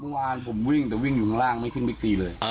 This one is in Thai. เมื่อวานผมวิ่งแต่วิ่งอยู่ข้างล่างไม่ขึ้นบิ๊กซีเลย